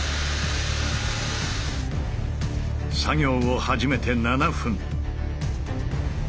作業を始めて７分。